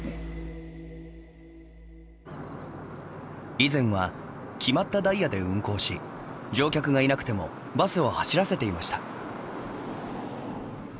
以前は決まったダイヤで運行し乗客がいなくてもバスを走らせていました。